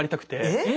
えっ？